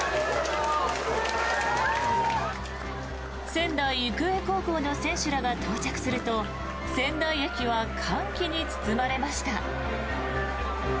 仙台育英高校の選手らが到着すると仙台駅は歓喜に包まれました。